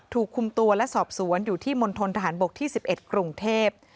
ถูกคุมตัวและสอบสวนอยู่ที่มณฑนทหารบกที่๑๑กรุงเทพ